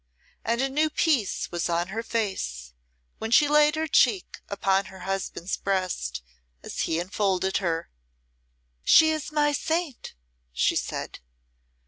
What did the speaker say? And a new peace was on her face when she laid her cheek upon her husband's breast as he enfolded her. "She is my saint," she said.